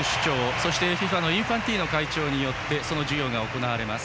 そしてＦＩＦＡのインファンティーノ会長によって授与が行われます。